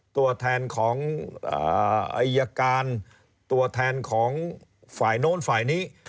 ตัวแทนของอายการตัวแทนของฝ่ายโน้นฝ่ายนี้